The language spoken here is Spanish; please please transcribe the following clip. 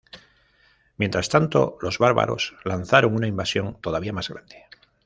Mientras tanto, los bárbaros lanzaron una invasión todavía más grande.